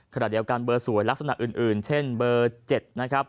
ขณะเดียวกันเบอร์สวยลักษณะอื่นเช่นเบอร์๗นะครับ